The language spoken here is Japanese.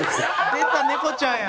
出た猫ちゃんや。